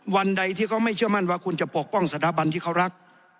วันใดที่เขาไม่เชื่อมั่นว่าคุณจะปกป้องสถาบันที่เขารัก